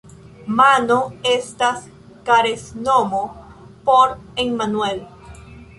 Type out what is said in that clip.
Mano estas karesnomo por Emmanuel.